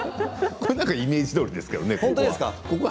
ここはイメージどおりですけどね。